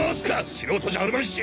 素人じゃあるまいし。